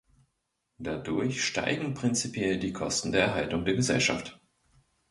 Dadurch steigen prinzipiell die Kosten der Erhaltung der Gesellschaft.